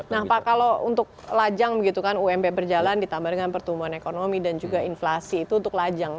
nah pak kalau untuk lajang begitu kan ump berjalan ditambah dengan pertumbuhan ekonomi dan juga inflasi itu untuk lajang